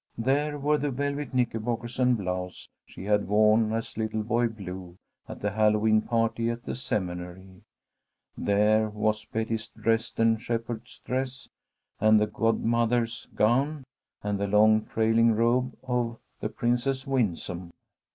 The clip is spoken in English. There were the velvet knickerbockers and blouse she had worn as Little Boy Blue at the Hallowe'en party at the Seminary. There was Betty's Dresden Shepherdess dress, and the godmother's gown, and the long trailing robe of the Princess Winsome.